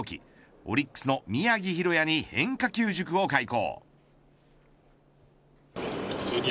オリックスの宮城大弥に変化球塾を開講。